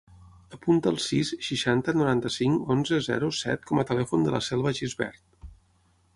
Apunta el sis, seixanta, noranta-cinc, onze, zero, set com a telèfon de la Selva Gisbert.